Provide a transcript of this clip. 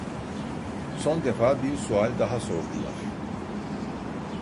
Son defa bir sual daha sordular.